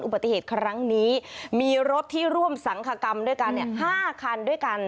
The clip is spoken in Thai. อุบัติเหตุครั้งนี้มีรถที่ร่วมสังคกรรมด้วยกัน๕คันด้วยกัน